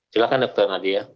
silakan dr nadia